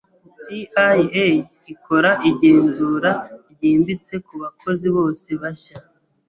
CIA ikora igenzura ryimbitse kubakozi bose bashya.